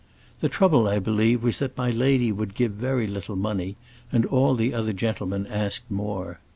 The trouble, I believe, was that my lady would give very little money, and all the other gentlemen asked more.